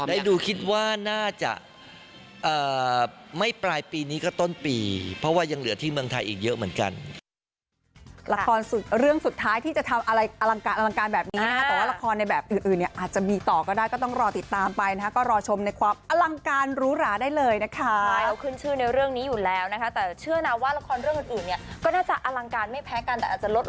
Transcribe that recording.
ได้ดูคิดว่าน่าจะไม่ปลายปีนี้ก็ต้นปีเพราะว่ายังเหลือที่เมืองไทยอีกเยอะเหมือนกัน